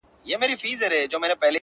نړيږي جوړ يې کړئ دېوال په اسويلو نه سي ـ